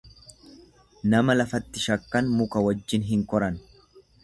Nama lafatti shakkan muka wajjin hin koran.